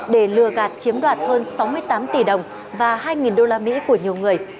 để lừa gạt chiếm đoạt hơn sáu mươi tám tỷ đồng và hai usd của nhiều người